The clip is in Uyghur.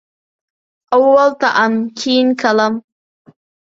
ئاۋۋال تائام، كېيىن كالام.